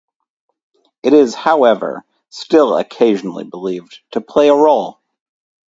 It is, however, still occasionally believed to play a role.